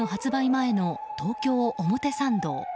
前の東京・表参道。